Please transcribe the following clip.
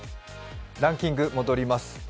ランキング戻ります。